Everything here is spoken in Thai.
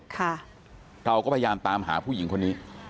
ค่ะเราก็พยายามตามหาผู้หญิงคนนี้